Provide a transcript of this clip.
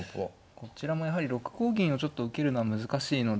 こちらもやはり６五銀を受けるのは難しいので。